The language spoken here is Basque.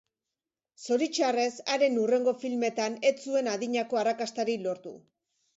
Zoritxarrez, haren hurrengo filmetan ez zuen adinako arrakastarik lortu.